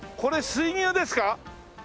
水牛です。